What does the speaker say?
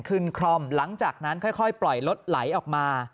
ขึ้นคลอมหลังจากนั้นค่อยค่อยปล่อยรถไหลออกมา